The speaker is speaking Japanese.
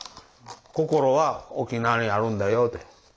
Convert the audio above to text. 心は沖縄にあるんだよと。